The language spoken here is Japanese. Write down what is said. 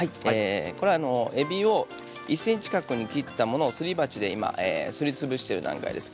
えびを１ｃｍ角に切ったものを、すり鉢で今すりつぶしている段階です。